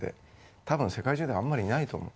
多分世界中であんまりいないと思う。